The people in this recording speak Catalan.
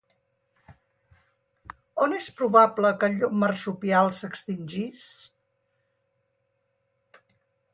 On és probable que el llop marsupial s'extingís?